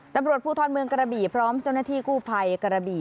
ตำรวจภูทรเมืองกระบี่พร้อมเจ้าหน้าที่กู้ภัยกระบี่